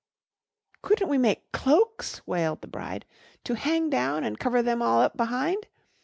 "Couldn't we make cloaks?" wailed the bride, "to hang down and cover them all up behind.